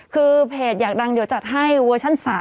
คือเพจอยากดังเดี๋ยวจัดให้เวอร์ชั่น๓